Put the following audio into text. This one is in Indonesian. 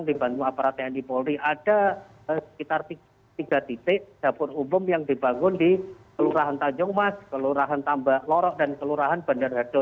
dibantu aparat tni polri ada sekitar tiga titik dapur umum yang dibangun di kelurahan tanjung mas kelurahan tambak lorok dan kelurahan bandar hado